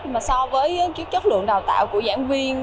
mà so với chất lượng đào tạo của giảng viên